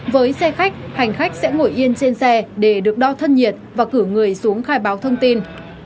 với xe khách hành khách sẽ ngồi yên trên xe để được đo thân nhiệt và cử người xuống khai báo thông tin